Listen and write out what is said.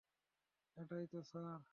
এটাই তো, স্যার।